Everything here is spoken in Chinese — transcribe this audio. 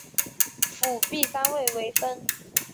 辅币单位为分。